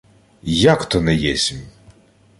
— Як то не єсмь?